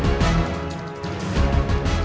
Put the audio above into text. โอ้โอ้โอ้